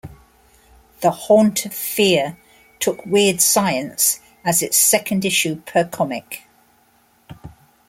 "The Haunt of Fear" took "Weird Science" as its second issue per comic.